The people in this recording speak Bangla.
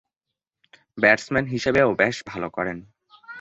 ব্যাটসম্যান হিসেবেও বেশ ভালো করেন।